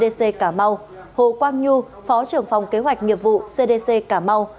giám đốc trung tâm kiểm soát bệnh tật cdc cà mau hồ quang nhu phó trưởng phòng kế hoạch nghiệp vụ cdc cà mau